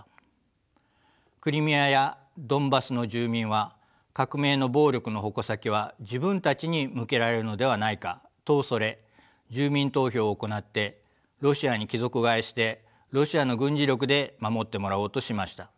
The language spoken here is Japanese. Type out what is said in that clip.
クリミアやドンバスの住民は革命の暴力の矛先は自分たちに向けられるのではないかと恐れ住民投票を行ってロシアに帰属替えしてロシアの軍事力で守ってもらおうとしました。